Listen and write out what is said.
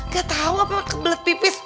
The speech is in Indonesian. gatau apa kebelet pipis